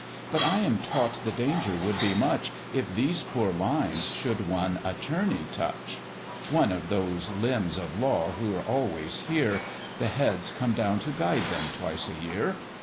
But I am taught the danger would be much, If these poor lines should one attorney touch (One of those Limbs of Law who're always here; The Heads come down to guide them twice a year.)